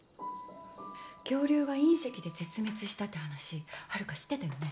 恐竜が隕石で絶滅したって話ハルカ知ってたよね？